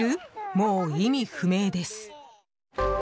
もう意味不明です。